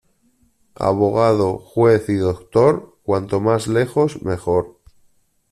Abogado, juez y doctor, cuanto más lejos, mejor.